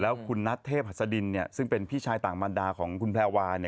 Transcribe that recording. แล้วคุณนัทเทพหัสดินซึ่งเป็นพี่ชายต่างบรรดาของคุณแพรวา